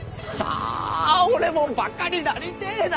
あ俺もバカになりてえな！